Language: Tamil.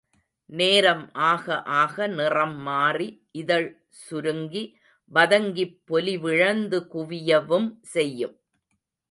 நேரம் ஆக ஆக நிறம் மாறி இதழ் சுருங்கி வதங்கிப் பொலிவிழந்து குவியவும் செய்யும்.